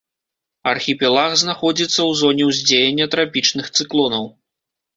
Архіпелаг знаходзіцца ў зоне ўздзеяння трапічных цыклонаў.